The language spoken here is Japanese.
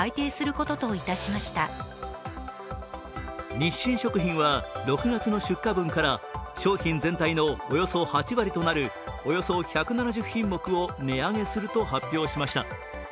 日清食品は６月１日の出荷分から商品全体のおよそ８割となるおよそ１７０品目を値上げすると発表しました。